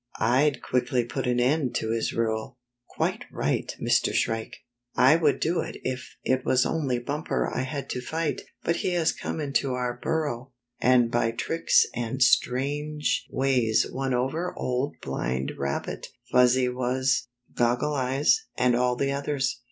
I'd quickly put an end to his rule." "Quite right, Mr. Shrike. I would do it if it was only Bumper I had to fight. But he has come into our burrow, and by tricks and strange Spotted Tail Stirs up Revolt 63 ways won over Old Blind Rabbit, Fuzzy Wuzz, Goggle Eyes, and all the others.